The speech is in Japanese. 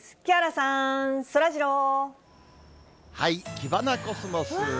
キバナコスモス。